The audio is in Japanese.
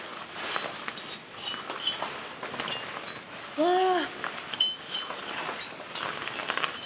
うわあ！